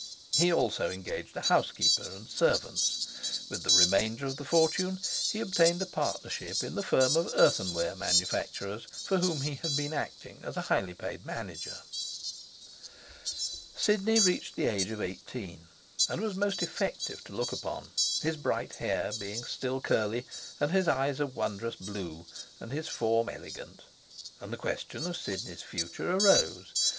He also engaged a housekeeper and servants. With the remainder of the fortune he obtained a partnership in the firm of earthenware manufacturers for whom he had been acting as highly paid manager. Sidney reached the age of eighteen, and was most effective to look upon, his bright hair being still curly, and his eyes a wondrous blue, and his form elegant; and the question of Sidney's future arose.